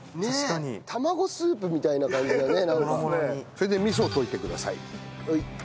それで味噌を溶いてください。